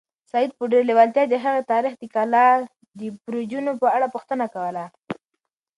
سعید په ډېرې لېوالتیا د هغې تاریخي کلا د برجونو په اړه پوښتنه کوله.